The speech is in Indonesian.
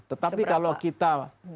tetapi kalau kita